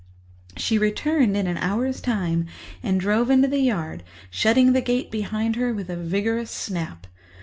She returned in an hour's time and drove into the yard, shutting the gate behind her with a vigorous snap.